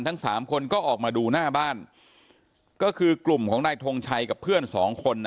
ทั้งสามคนก็ออกมาดูหน้าบ้านก็คือกลุ่มของนายทงชัยกับเพื่อนสองคน